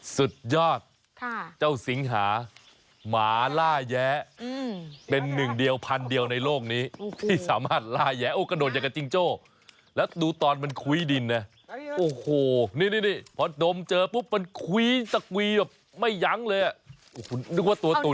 สุดยอดเจ้าสิงหาหมาล่าแย้เป็นหนึ่งเดียวพันเดียวในโลกนี้ที่สามารถล่าแยะโอ้กระโดดอย่างกับจิงโจ้แล้วดูตอนมันคุ้ยดินนะโอ้โหนี่พอดมเจอปุ๊บมันคุยตะกวีแบบไม่ยั้งเลยอ่ะโอ้โหนึกว่าตัวตุ๋น